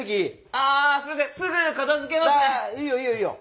ああいいよいいよいいよ。